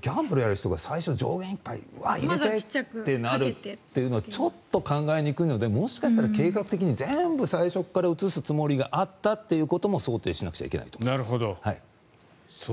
ギャンブルやる人が最初、上限いっぱいかけるってちょっと考えにくいのでもしかしたら計画的に全部最初から移すつもりがあったということも想定しなくちゃいけないと思います。